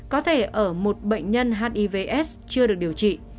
có thể ở một bệnh nhân hivs chưa được điều trị